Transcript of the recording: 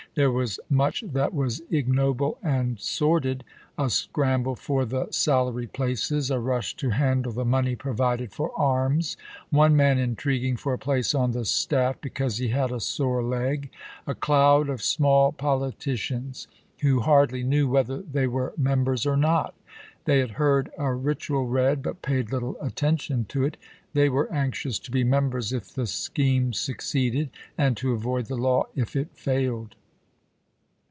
There was much that was ignoble and sordid: a scramble for the salaried places ; a rush to handle the money provided for arms ; one man intriguing for a place on the staff "because he had a sore leg"; a cloud of small politicians, who hardly knew whether they were members or not ;" they had heard a ritual read, but paid little attention to it "; they were anxious to be members if the scheme succeeded, and to avoid the law if it failed.